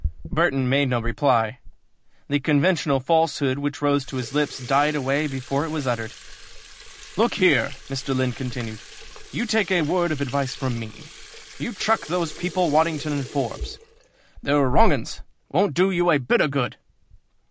Burton made no reply. The conventional falsehood which rose to his lips, died away before it was uttered. "Look here," Mr. Lynn continued, "you take a word of advice from me. You chuck those people, Waddington & Forbes. They're wrong 'uns won't do you a bit of good.